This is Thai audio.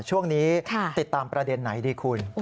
ช่วงนี้ติดตามประเด็นไหนดีคุณ